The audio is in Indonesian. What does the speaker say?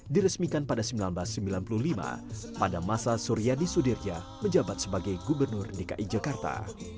diresmikan pada seribu sembilan ratus sembilan puluh lima pada masa suryadi sudirja menjabat sebagai gubernur dki jakarta